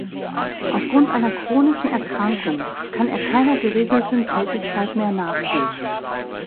Auf Grund einer chronischen Erkrankung kann er keiner geregelten Tätigkeit mehr nachgehen.